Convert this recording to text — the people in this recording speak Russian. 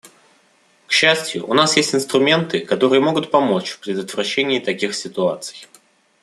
К счастью, у нас есть инструменты, которые могут помочь в предотвращении таких ситуаций.